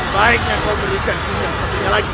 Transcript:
baiknya kau belikan tujang satunya lagi